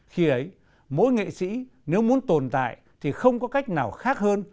khi ấy mỗi nghệ sĩ nếu muốn tồn tại thì không có cách nào khác hơn